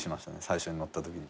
最初に乗ったとき。